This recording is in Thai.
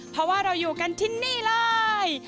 เพราะว่าเราอยู่กันที่นี่เลย